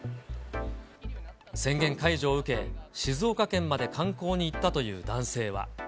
宣言解除を受け、静岡県まで観光に行ったという男性は。